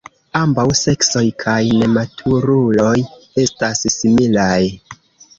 Ambaŭ seksoj kaj nematuruloj estas similaj.